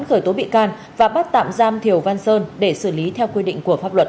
khởi tố bị can và bắt tạm giam thiều văn sơn để xử lý theo quy định của pháp luật